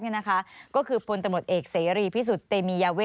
สนุนโดยน้ำดื่มสิง